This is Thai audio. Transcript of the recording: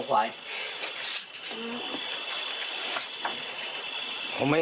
ไฟที่ตัวควาย